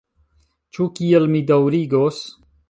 Ĉu kiel mi daŭrigos?..